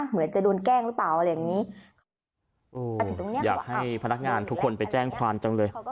เหมือนจะโดนแกล้งหรือเปล่าอะไรอย่างนี้อยากให้พนักงานทุกคนไปแจ้งความจังเลย